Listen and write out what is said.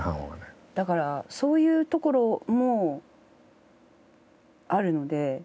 だからそういうところもあるので。